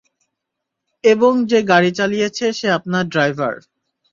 এবং যে গাড়ি চালিয়েছে সে আপনার ড্রাইভার।